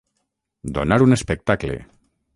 Donar un espectacle.